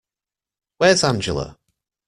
Where's Angela?